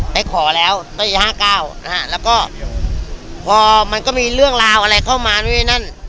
ไปขอแล้วตอนปีห้าเก้านะฮะแล้วก็พอมันก็มีเรื่องราวอะไรเข้ามานู่นี้นั่น